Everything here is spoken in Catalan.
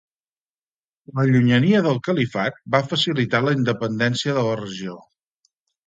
La llunyania del califat va facilitar la independència de la regió.